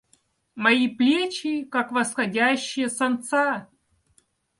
Мои плечи, как восходящие солнца!